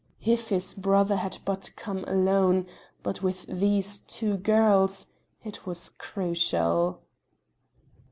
If his brother had but come alone ... but with these two girls ... it was crucial.